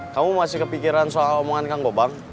kamu masih kepikiran soal omongan kanggobang